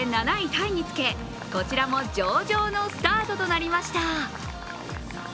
タイにつけこちらも上々のスタートとなりました。